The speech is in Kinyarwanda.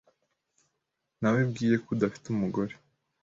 Nawebwiye ko udafite umugore.